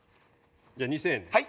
じゃあ２０００円で。